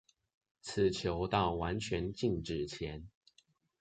此球到完全靜止前